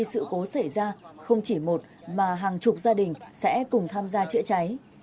tổ chức theo mô hình liên gia để khi sự cố xảy ra không chỉ một mà hàng chục gia đình sẽ cùng tham gia chữa cháy